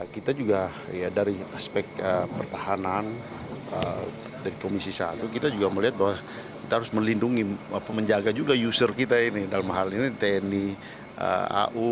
kita juga ya dari aspek pertahanan dari komisi satu kita juga melihat bahwa kita harus melindungi menjaga juga user kita ini dalam hal ini tni au